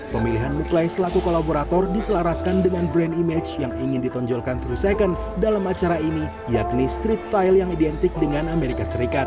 pemilihan muklai selaku kolaborator diselaraskan dengan brand image yang ingin ditonjolkan tiga second dalam acara ini yakni street style yang identik dengan amerika serikat